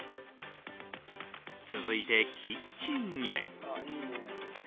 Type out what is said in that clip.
続いて、キッチンへ。